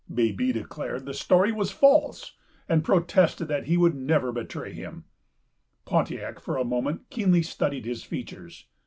Baby declared that the story was false, and protested that he would never betray him. Pontiac for a moment keenly studied his features.